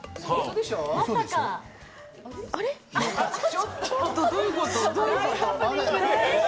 ちょっとどういうこと？